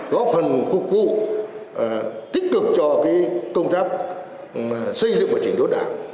góp phần phục vụ tích cực cho công tác xây dựng và trình đốt đảng